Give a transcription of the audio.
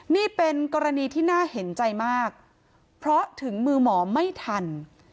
นี่เป็นกรณีที่น่าเห็นใจมากเพราะถึงมือหมอไม่ทัน